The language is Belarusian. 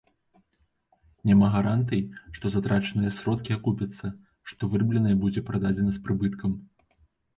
Няма гарантый, што затрачаныя сродкі акупяцца, што вырабленае будзе прададзена з прыбыткам.